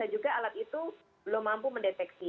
juga alat itu belum mampu mendeteksi